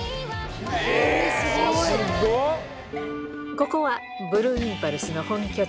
ここはブルーインパルスの本拠地